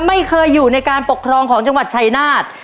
ไม่เคยอยู่ในการปกครองของจังหวัดชายนาฏ